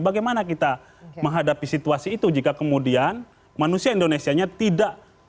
bagaimana kita menghadapi situasi itu jika kemudian manusia indonesia nya tidak